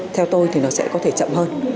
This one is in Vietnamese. theo tôi thì nó sẽ có thể chậm hơn